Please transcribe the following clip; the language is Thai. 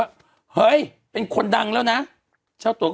เฮ้ยเป็นคนดังแล้วนะเจ้าตัวก็